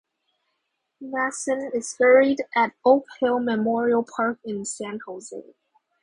Masson is buried at Oak Hill Memorial Park in San Jose.